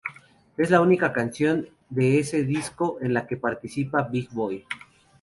Es la única canción de ese disco en la que participa Big Boi.